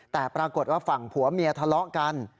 แต่ปรากฏว่าฝั่งผัวเมียทะเลาะกัน